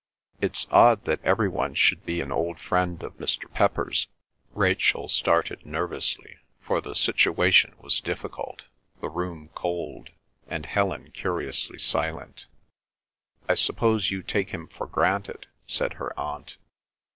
"It's odd that every one should be an old friend of Mr. Pepper's," Rachel started nervously, for the situation was difficult, the room cold, and Helen curiously silent. "I suppose you take him for granted?" said her aunt.